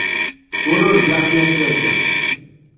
Ur urgaɣ yir tirga.